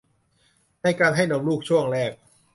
ในการให้นมลูกช่วงแรก